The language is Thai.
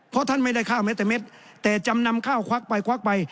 เพราะท่านไม่ได้ข้าวแม้แต่เม็ดแต่จำนำข้าวควักไปควักไป